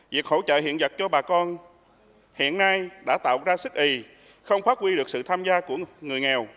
việc hỗ trợ hiện vật cho bà con hiện nay đã tạo ra sức ý không phát huy được sự tham gia của người nghèo